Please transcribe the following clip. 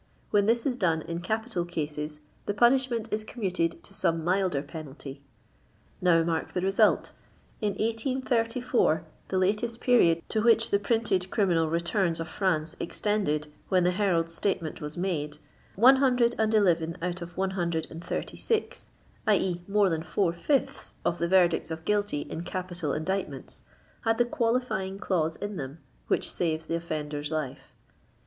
When this is done in capital cases, the pu nishment is commuted to some milder penalty. Now mark the result. In 1834, the latest period to which the printed criminal returns of France extended when the Herald's statement was made, 111 out of 1916, t. e., more than four fifths of the verdicts of guilty in capital indictments, had the qualifying clause in them which saves the offender's life.